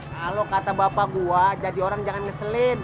kalau kata bapak gue jadi orang jangan ngeselin